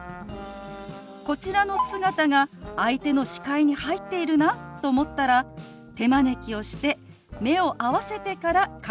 こちらの姿が相手の視界に入っているなと思ったら手招きをして目を合わせてから会話を始めるんです。